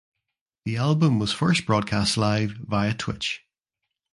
The album was first broadcast live via Twitch.